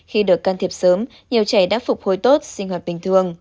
khi được can thiệp sớm nhiều trẻ đã phục hồi tốt sinh hoạt bình thường